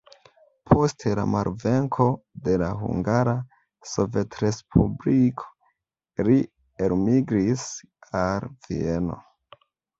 Post la malvenko de la Hungara Sovetrespubliko, li elmigris al Vieno.